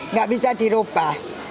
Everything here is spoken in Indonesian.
nggak bisa diubah